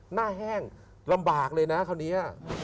แห้งลำบากเลยนะคราวนี้